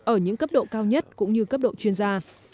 ở những cấp độ cao nhất cũng như cấp độ chuyên gia